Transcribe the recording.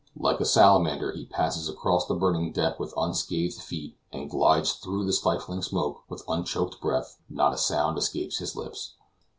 Like a salamander he passes across the burning deck with unscathed feet, and glides through the stifling smoke with unchoked breath. Not a sound escapes his lips.